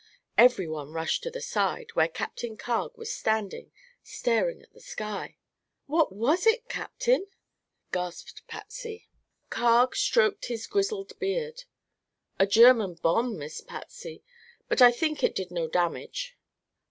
Everyone rushed to the side, where Captain Carg was standing, staring at the sky. "What was it, Captain?" gasped Patsy. Carg stroked his grizzled beard. "A German bomb, Miss Patsy; but I think it did no damage."